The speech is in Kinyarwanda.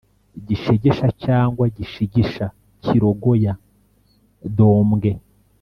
" gishegesha cyangwa gishigisha = kirogoya; dombwe. "